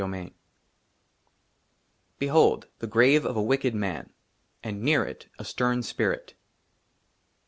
*5 XXV BEHOLD, THE GRAVE OF A WICKED MAN, AND NEAR IT, A STERN SPIRIT.